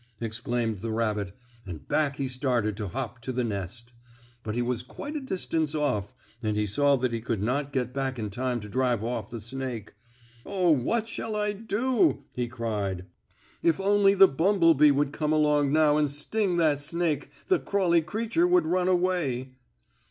exclaimed the rabbit, and back he started to hop to the nest. But he was quite a distance off, and he saw that he could not get back in time to drive off the snake. "Oh, what shall I do?" he cried. "If only the bumble bee would come along now and sting that snake the crawly creature would run away!"